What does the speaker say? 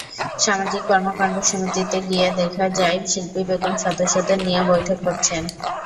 সামাজিক কর্মকাণ্ডসমিতিতে গিয়ে দেখা যায়, শিল্পী বেগম সদস্যদের নিয়ে বৈঠক করছেন।